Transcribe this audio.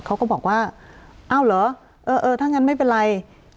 เขาก็บอกว่าอ้าวเหรอเออเออถ้างั้นไม่เป็นไร